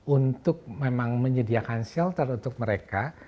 untuk memang menyediakan shelter untuk mereka